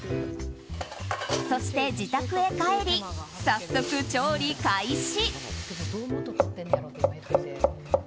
そして自宅へ帰り早速、調理開始。